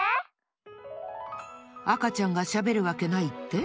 赤ちゃんがしゃべるわけないって？